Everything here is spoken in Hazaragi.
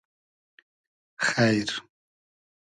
خݷر